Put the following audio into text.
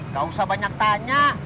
gak usah banyak tanya